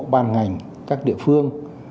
ban ngành các địa phương